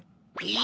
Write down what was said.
え？